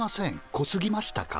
こすぎましたか？